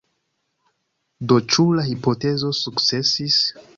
Do ĉu la hipotezo sukcesis?